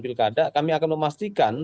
pilkada kami akan memastikan